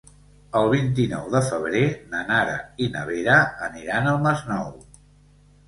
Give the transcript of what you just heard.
El vint-i-nou de febrer na Nara i na Vera aniran al Masnou.